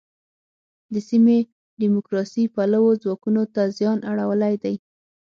د سیمې دیموکراسي پلوو ځواکونو ته زیان اړولی دی.